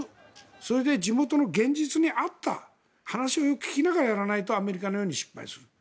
それで地元の現実に合った話をよく聞きながらやらないとアメリカのように失敗する。